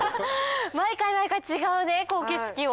毎回毎回違う景色を。